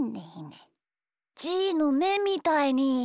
じーのめみたいに。